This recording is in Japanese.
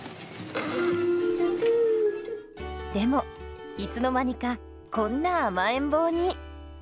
でもいつの間にかこんな甘えん坊に。